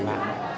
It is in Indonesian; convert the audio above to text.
ya ini berbeda